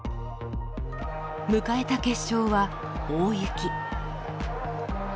迎えた決勝は大雪。